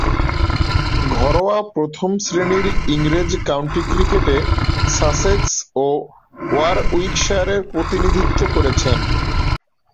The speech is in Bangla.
ঘরোয়া প্রথম-শ্রেণীর ইংরেজ কাউন্টি ক্রিকেটে সাসেক্স ও ওয়ারউইকশায়ারের প্রতিনিধিত্ব করেছেন।